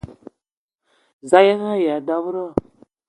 Za a yen-aya dob-ro?